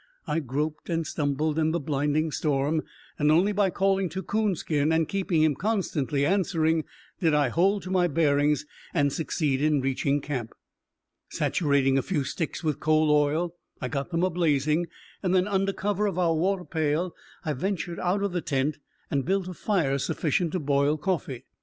I groped and stumbled in the blinding storm, and only by calling to Coonskin and keeping him constantly answering did I hold to my bearings and succeed in reaching camp. Saturating a few sticks with coal oil, I got them a blazing, and then under cover of our water pail I ventured out of the tent and built a fire sufficient to boil coffee.